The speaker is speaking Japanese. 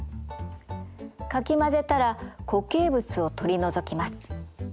かき混ぜたら固形物を取り除きます。